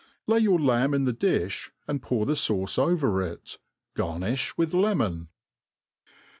Lay vour lamb in the dMb, and pour the fauce over it* Garnifli witn lemon.